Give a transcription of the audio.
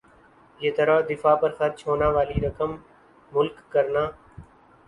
یِہ طرح دفاع پر خرچ ہونا والی رقم ملک کرنا